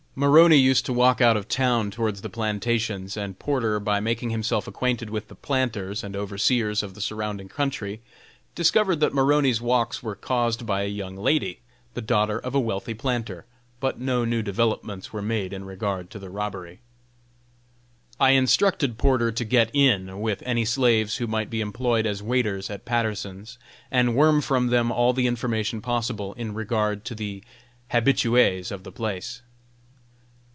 Maroney used to walk out of town towards the plantations, and Porter, by making himself acquainted with the planters and overseers of the surrounding country, discovered that Maroney's walks were caused by a young lady, the daughter of a wealthy planter; but no new developments were made in regard to the robbery. I instructed Porter to "get in" with any slaves who might be employed as waiters at Patterson's, and worm from them all the information possible in regard to the habitués of the place.